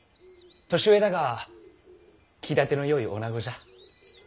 年上だが気立てのよいおなごじゃ。